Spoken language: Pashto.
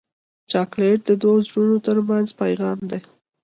چاکلېټ د دوو زړونو ترمنځ پیغام دی.